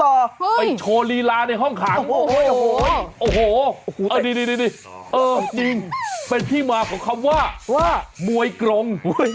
โอ้โฮโอ้โฮเอาดีอ่อจริงเป็นพิมาพของคำว่าว่ามวยกลง